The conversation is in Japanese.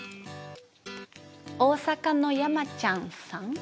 大阪のやまちゃんさん。